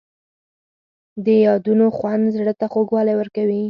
د یادونو خوند زړه ته خوږوالی ورکوي.